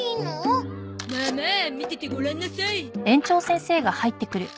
まあまあ見ててごらんなさい。